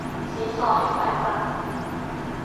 สีซอให้ควายฟัง